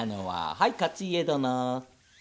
はい勝家殿。